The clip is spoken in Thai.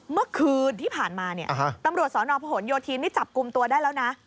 เมื่อคืนที่ผ่านมาเนี่ยตำรวจสนพหนโยธินนี่จับกลุ่มตัวได้แล้วนะ